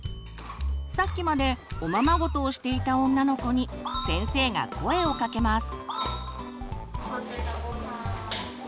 さっきまでおままごとをしていた女の子に先生が声をかけます。